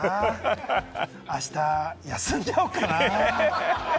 あした休んじゃおうかな？